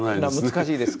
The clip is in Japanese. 難しいですか？